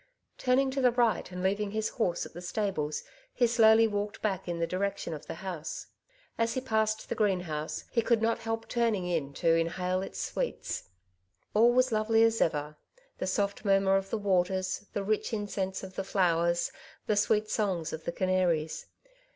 Turning to the right, and leaving his horse at the stables, he slowly walked back in the direction of the house. As he passed the greenhouse he could not help turning in to inhale its sweets. All was lovely as ever — the soft murmur of the waters, the rich incense of the flowers, the sweet song of the canaries.